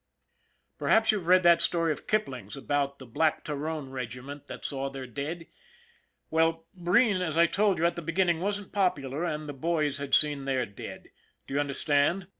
Perhaps you've read that story of Kipling's about the Black Tyrone Regiment that saw their dead? Well, Breen, as I told you, at the beginning, wasn't popular, and the boys had seen their dead. Do you understand?